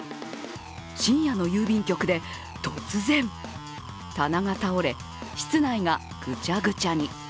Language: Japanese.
深夜の郵便局で突然棚が倒れ、室内がぐちゃぐちゃに。